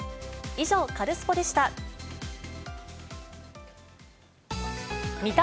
以上、カルスポっ！でした。